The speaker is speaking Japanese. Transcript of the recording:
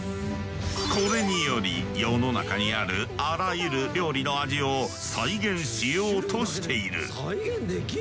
これにより世の中にあるあらゆる料理の味を再現しようとしている。